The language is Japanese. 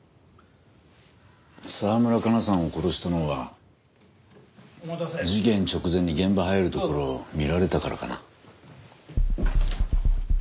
澤村香奈さんを殺したのは事件直前に現場入るところを見られたからかな。